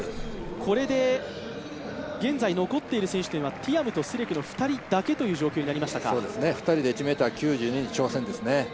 これで現在残っている選手はティアムとスレクの２人だけという状況になりましたかそうですね、２人で１ｍ９２に挑戦ですね。